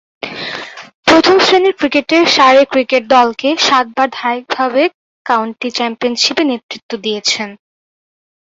প্রথম-শ্রেণীর ক্রিকেটে সারে ক্রিকেট দলকে সাতবার ধারাবাহিকভাবে কাউন্টি চ্যাম্পিয়নশীপে নেতৃত্ব দিয়েছেন।